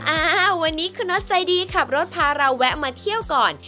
อ้าววันนี้คุณน็อตใจดีขับรถพาเราแวะมาเที่ยวก่อน